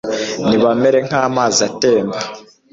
nibamere nk'amazi atemba